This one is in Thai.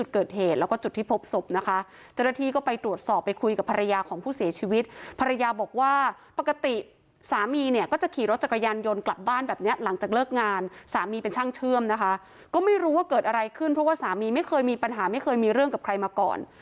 กลับบ้านแบบเนี้ยหลังจากเลิกงานสามีเป็นช่างเชื่อมนะคะก็ไม่รู้ว่าเกิดอะไรขึ้นเพราะว่าสามีไม่เคยมีปัญหาไม่เคยมีเรื่องกับใครมาก่อน